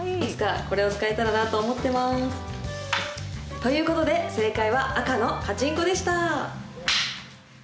ということで正解は赤のカチンコでした。